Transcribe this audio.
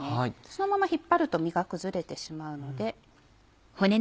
そのまま引っ張ると身が崩れてしまうので。